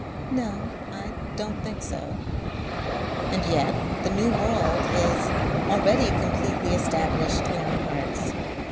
"No. I don't think so." "And yet the New World is already completely established in our hearts.